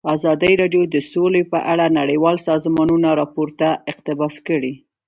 ازادي راډیو د سوله په اړه د نړیوالو سازمانونو راپورونه اقتباس کړي.